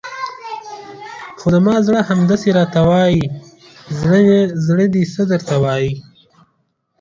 خو زما زړه همداسې راته وایي، زړه دې څه درته وایي؟